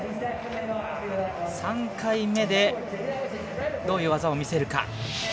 ３回目でどういう技を見せるか。